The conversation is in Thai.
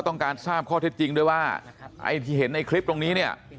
ต้องการทราบข้อเท็จจริงด้วยว่าไอ้ที่เห็นในคลิปตรงนี้เนี่ย